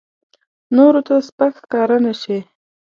نورو ته سپک ښکاره نه شي.